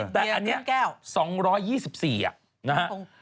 แต่อันนี้๒๒๔นะฮะ